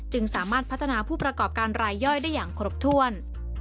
สามารถพัฒนาผู้ประกอบการรายย่อยได้อย่างครบถ้วน